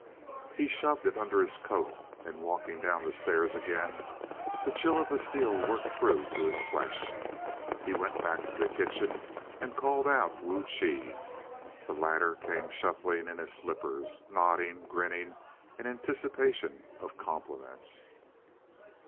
He shoved it under his coat, and walking down the stairs again the chill of the steel worked through to his flesh. He went back to the kitchen and called out Wu Chi. The latter came shuffling in his slippers, nodding, grinning in anticipation of compliments.